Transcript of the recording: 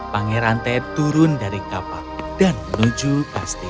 pangeran ted turun dari kapak dan menuju kastil